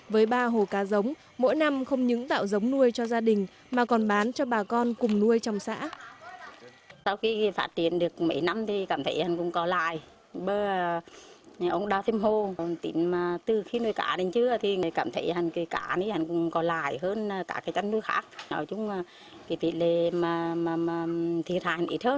với ba hồ cá giống mỗi năm không những tạo giống nuôi cho gia đình mà còn bán cho bà con cùng nuôi trong xã